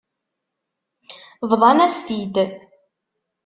Bḍan-as-t-id.